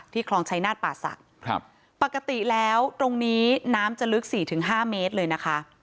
คลองชายนาฏป่าศักดิ์ปกติแล้วตรงนี้น้ำจะลึก๔๕เมตรเลยนะคะ